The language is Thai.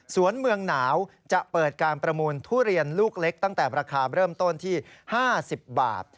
เมืองหนาวจะเปิดการประมูลทุเรียนลูกเล็กตั้งแต่ราคาเริ่มต้นที่๕๐บาท